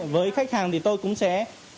với khách hàng thì tôi cũng sẽ